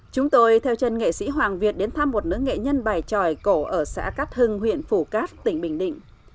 chúng tôi theo chân nghệ sĩ hoàng việt đến thăm một nữ nghệ nhân bài tròi cổ ở xã cát hưng huyện phủ cát tỉnh bình định